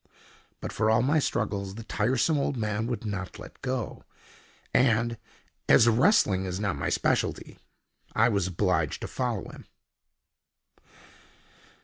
But for all my struggles the tiresome old man would not let go; and, as wrestling is not my speciality, I was obliged to follow him.